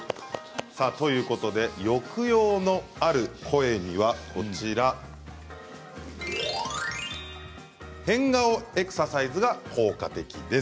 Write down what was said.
抑揚のある声には変顔エクササイズが効果的です。